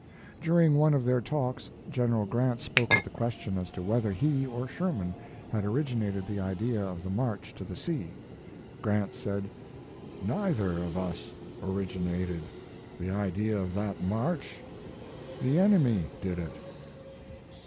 During one of their talks General Grant spoke of the question as to whether he or Sherman had originated the idea of the march to the sea. Grant said: "Neither of us originated the idea of that march. The enemy did it."